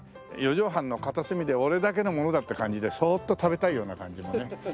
４畳半の片隅で俺だけのものだって感じでそーっと食べたいような感じのね。